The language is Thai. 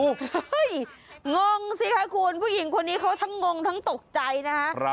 เฮ้ยงงสิคะคุณผู้หญิงคนนี้เขาทั้งงงทั้งตกใจนะฮะ